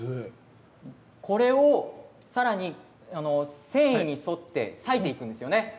これをさらに線維に沿って裂いていくんですよね。